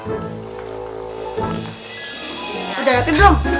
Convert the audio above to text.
udah rapi dirom